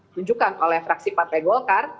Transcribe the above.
tunjukkan oleh fraksi pat pai golkar